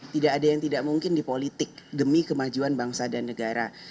tidak ada yang tidak mungkin di politik demi kemajuan bangsa dan negara